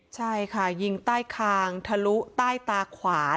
ใช่ค่ะยิงใต้คางทะลุใต้ตาขวา